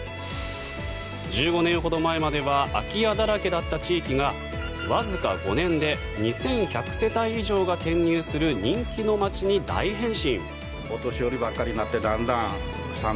１５年ほど前までは空き家だらけだった地域がわずか５年で２１００世帯以上が転入する人気の街に大変身。